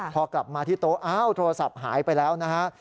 พอกลับมาที่โต๊ะอ้าวโทรศัพท์หายไปแล้วนะฮะ